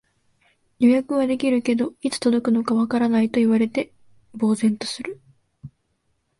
予約はできるけど、いつ届くのかわからないと言われて呆然とする